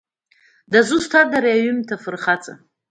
Дызусҭада ари аҩымҭа афырхаҵа?